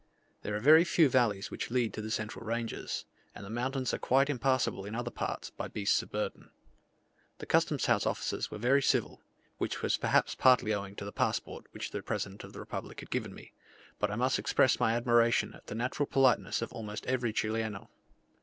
There are very few valleys which lead to the central ranges, and the mountains are quite impassable in other parts by beasts of burden. The custom house officers were very civil, which was perhaps partly owing to the passport which the President of the Republic had given me; but I must express my admiration at the natural politeness of almost every Chileno.